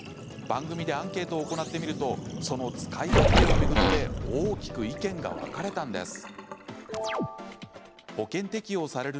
番組でアンケートを行ってみるとその使い勝手を巡って大きく意見が分かれたんです。